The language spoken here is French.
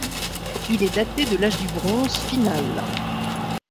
Il est daté de l'âge du bronze final.